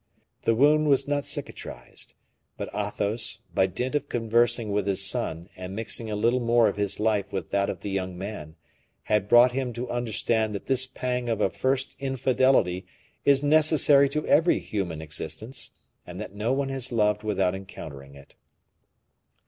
The wound was not cicatrized, but Athos, by dint of conversing with his son and mixing a little more of his life with that of the young man, had brought him to understand that this pang of a first infidelity is necessary to every human existence; and that no one has loved without encountering it.